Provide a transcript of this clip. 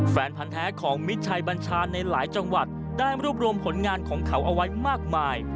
แฟนพันธ์แท้ของมิตรชัยบัญชาในหลายจังหวัดได้รวบรวมผลงานของเขาเอาไว้มากมาย